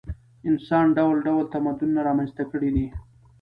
انسان ډول ډول تمدنونه رامنځته کړي دي.